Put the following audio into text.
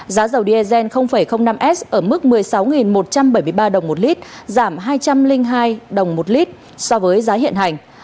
giá dầu diesel năm s ở mức một mươi sáu một trăm bảy mươi ba đồng một lít giảm hai trăm linh hai đồng một lít so với giá hiện hành